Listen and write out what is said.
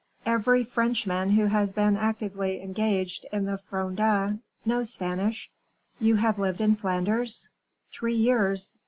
"Every Frenchman who has been actively engaged in the Fronde knows Spanish." "You have lived in Flanders?" "Three years."